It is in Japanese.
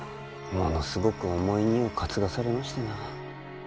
ものすごく重い荷を担がされましてな。